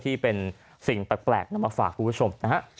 โตบอกญาติเตรียมสละแล้ว